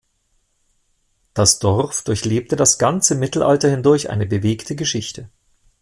Das Dorf durchlebte das ganze Mittelalter hindurch eine bewegte Geschichte.